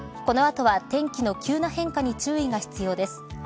この後は天気の急な変化に注意が必要です。